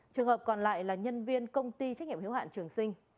trường hợp còn lại là nhân viên công ty trách nhiệm hiếu hạn trường sinh